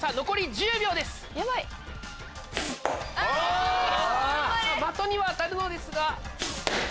頑張れ！的には当たるのですが。